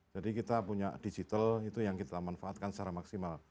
jadi kita punya digital itu yang kita manfaatkan secara maksimal